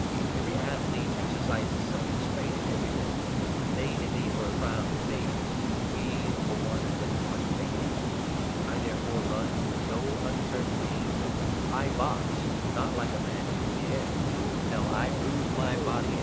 Every athlete exercises self restraint in every 25 thing ; they, indeed, for a crown that fades, we for one that is unfading. I, therefore, run with no uncertain aim. I box — 26 not like a man hitting the air. No, I bruise my body and 27 • Deut. 25. 4.